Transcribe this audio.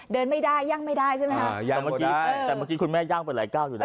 เดินไม่ได้ยั่งไม่ได้ใช่ไหมคะยังเมื่อกี้แต่เมื่อกี้คุณแม่ย่างไปหลายก้าวอยู่นะ